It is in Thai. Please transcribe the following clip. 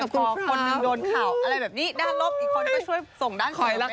ขอบคุณครับคนหนึ่งโดนข่าวอะไรแบบนี้ด้านลบอีกคนก็ช่วยส่งด้านข่าวไปให้